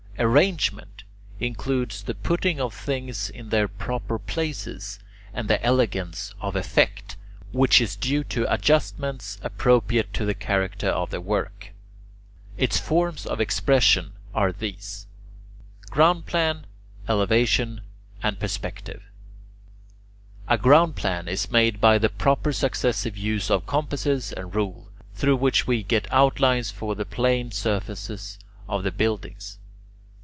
Arrangement includes the putting of things in their proper places and the elegance of effect which is due to adjustments appropriate to the character of the work. Its forms of expression (Greek [Greek: ideai]) are these: groundplan, elevation, and perspective. A groundplan is made by the proper successive use of compasses and rule, through which we get outlines for the plane surfaces of buildings.